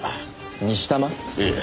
ええ。